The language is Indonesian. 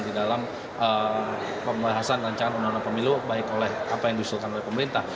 di dalam pembahasan rancangan undang undang pemilu baik oleh apa yang diusulkan oleh pemerintah